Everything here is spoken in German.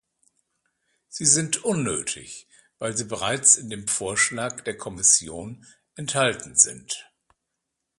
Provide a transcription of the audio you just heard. Sie sind unnötig, weil sie bereits in dem Vorschlag der Kommission enthalten sind.